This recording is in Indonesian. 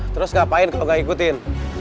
terus ngapain kalau gak ikutin